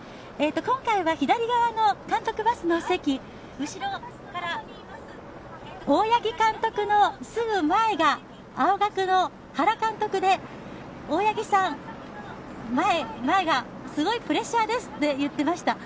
今回は左側の監督バスの席後ろから大八木監督のすぐ前が青学の原監督で大八木さん、前がすごいプレッシャーですと言っていました。